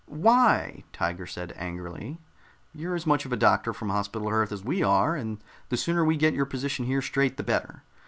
"Why?" Tiger said angrily. "You're as much of a doctor from Hospital Earth as we are, and the sooner we get your position here straight, the better.